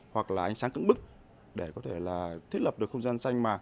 hoặc là ánh sáng cứng bức để có thể là thiết lập được không gian xanh mà